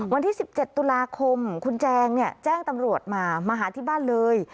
วันที่๑๗ตุลาคมคุณแจงแจ้งตำรวจมามาหาที่บ้านเลย